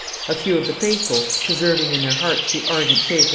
A few of the faithful, preserving in their hearts the ardent faith of M.